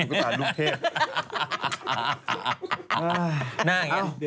ลูกตาลูกเทพ